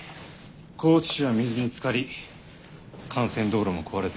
高知市は水につかり幹線道路も壊れて使い物にならない。